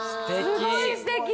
すごいすてき。